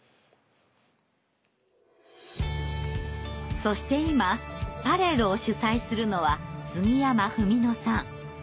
そして今パレードを主催するのは杉山文野さん。